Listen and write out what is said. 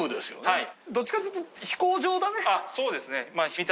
はい。